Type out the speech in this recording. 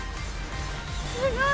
すごい！